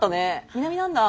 南なんだ。